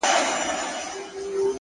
زموږ وطن كي اور بل دی،